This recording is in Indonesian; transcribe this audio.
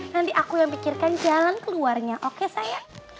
nanti aku yang pikirkan jalan keluarnya oke saya